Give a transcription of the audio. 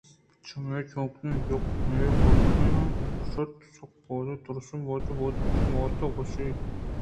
چمے چُونکیاں یکّےءَہمے گپّءَرا اِشکُتءُ سکّ باز تُرس آماچ بُوتءُ وتی ماتءَگوٛ شت ئے